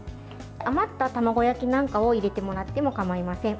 余った卵焼きなんかを入れてもらってもかまいません。